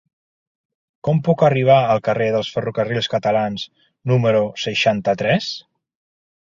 Com puc arribar al carrer dels Ferrocarrils Catalans número seixanta-tres?